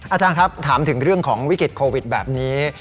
อาจารย์ครับถามถึงเรื่องของวิกฤตโควิดแบบนี้